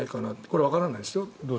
これはわからないですよ。